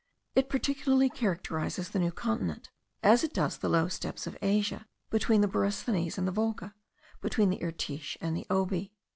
It particularly characterises the New Continent, as it does the low steppes of Asia, between the Borysthenes and the Volga, between the Irtish and the Obi.